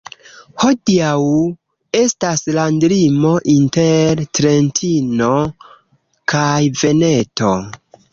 Hodiaŭ estas landlimo inter Trentino kaj Veneto.